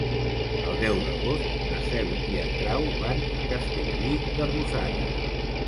El deu d'agost na Cel i en Grau van a Castellví de Rosanes.